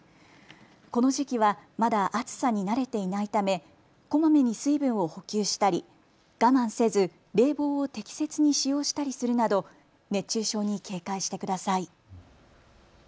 この時期はまだ暑さに慣れていないためこまめに水分を補給したり我慢せず冷房を適切に使用したりするなど熱中症に警戒してください。